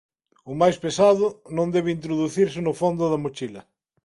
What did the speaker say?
O máis pesado non debe introducirse no fondo da mochila